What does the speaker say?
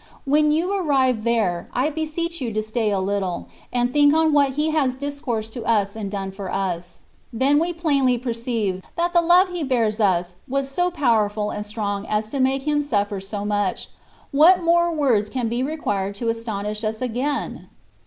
When you arrive there, I beseech you to stay a little, and think on what He has discoursed to us and done for us; then we plainly perceive, that the love He bears us wag so powerful and strong as to make Him suffer so much : what more words can be required to astonish us again